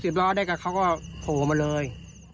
ล้อได้กับเขาก็โผล่มาเลย